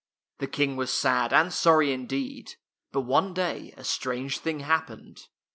The King was sad and sorry indeed. But one day a strange thing happened.